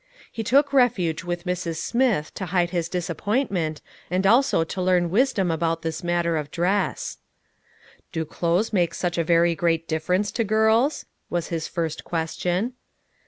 He took refuge with Mrs. Smith to hide his disappointment, and also to learn wis dom about this matter of dress. "Do clothes make such a very great differ ence to girls?" was his first question. 294 LITTLE FISHEKS: AND THEIR NETS.